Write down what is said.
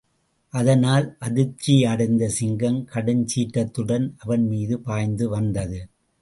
அதனால் அதிர்சியடைந்த சிங்கம், கடுஞ்சிற்றத்துடன் அவன் மீது பாய்ந்து வந்தது.